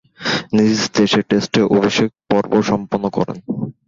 নিজ দেশে টেস্টে অভিষেক পর্ব সম্পন্ন করেন।